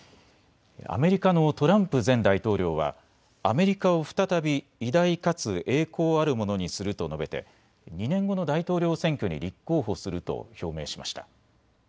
アメリカのトランプ前大統領はアメリカを再び偉大かつ栄光あるものにすると述べて２年後の大統領選挙に立候補すると表明しました。